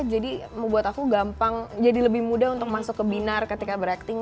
jadi membuat aku gampang jadi lebih mudah untuk masuk ke binar ketika beracting